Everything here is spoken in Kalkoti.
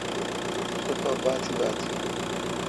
سوبھ باتیبات این۔